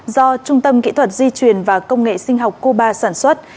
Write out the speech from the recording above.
do trung tâm kỹ thuật di truyền và công nghệ sinh học cuba sản xuất